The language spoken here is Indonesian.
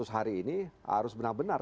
seratus hari ini harus benar benar